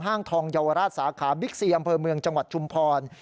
ทองเยาวราชสาขาบิ๊กซีอำเภอเมืองจังหวัดชุมพร